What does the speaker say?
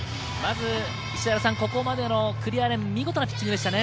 ここまでの九里亜蓮、見事なピッチングでしたね。